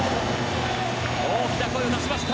大きな声を出しました。